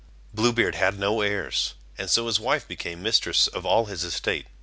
Blue Beard had no heirs, and so his wife became mistress of all his estate.